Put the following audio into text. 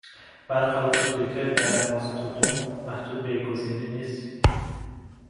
بر خلاف توییتر، در ماستودون محدود به یک گزینه نیستید